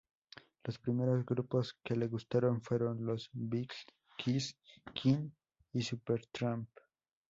Los primeros grupos que le gustaron fueron los Beatles, Kiss, Queen y Supertramp.